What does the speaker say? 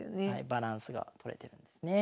バランスが取れてるんですね。